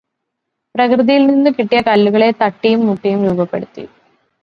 പ്രകൃതിയിൽനിന്നു് കിട്ടിയ കല്ലുകളെ തട്ടിയും മുട്ടിയും രൂപപ്പെടുത്തി.